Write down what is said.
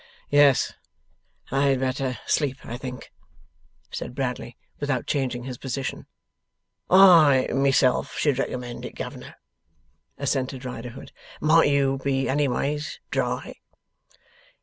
'Yes. I had better sleep, I think,' said Bradley, without changing his position. 'I myself should recommend it, governor,' assented Riderhood. 'Might you be anyways dry?